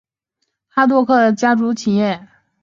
哈罗盖特贝蒂斯和泰勒是英国约克郡的一个家族企业。